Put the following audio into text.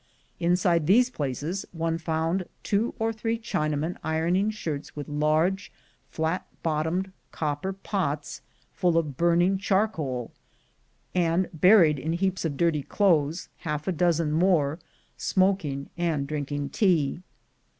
Inside these places one found two or three Chinamen ironing shirts with large flat bottomed copper pots full of burning char coal, and, buried in heaps of dirty clothes, half a dozen more, smoking, and drinking tea.